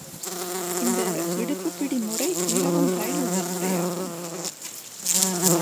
இந்த இடுப்புப் பிடி முறை மிகவும் பயனுள்ள முறையாகும்.